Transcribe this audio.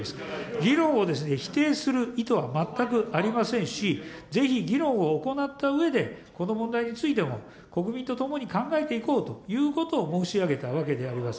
議論をですね、否定する意図は全くありませんし、ぜひ議論を行ったうえで、この問題についても国民と共に考えていこうということを申し上げたわけであります。